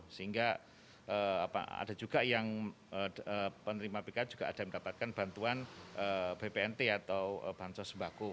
sehingga ada juga yang penerima pk juga ada yang mendapatkan bantuan bpnt atau bansos sembako